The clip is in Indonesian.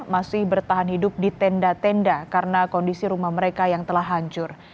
masih bertahan hidup di tenda tenda karena kondisi rumah mereka yang telah hancur